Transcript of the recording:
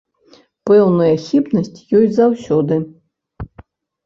Пэўная хібнасць ёсць заўсёды.